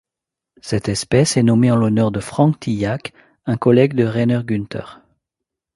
Cette espèce est nommée en l'honneur de Frank Tillack, un collègue de Rainer Günther.